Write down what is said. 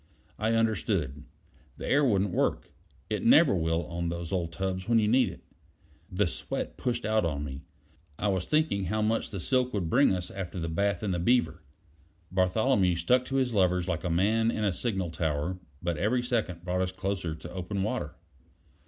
I understood: the air wouldn't work; it never will on those old tubs when you need it. The sweat pushed out on me. I was thinking of how much the silk would bring us after the bath in the Beaver. Bartholomew stuck to his levers like a man in a signal tower, but every second brought us closer to open water.